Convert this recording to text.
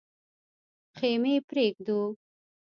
خېمې پرېږدو.